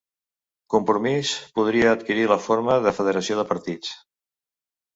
Compromís podria adquirir la forma de federació de partits